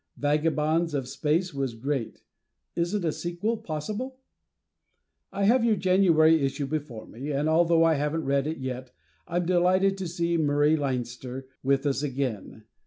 "Vagabonds of Space" was great. Isn't a sequel possible? I have your January issue before me, and although I haven't read it yet, I'm delighted to see Murray Leinster with us again.